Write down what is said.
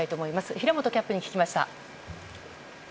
平本キャップに聞きました。